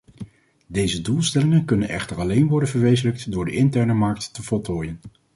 Deze doelstellingen kunnen echter alleen worden verwezenlijkt door de interne markt te voltooien.